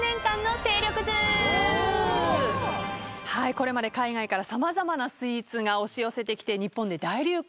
これまで海外から様々なスイーツが押し寄せてきて日本で大流行しましたよね。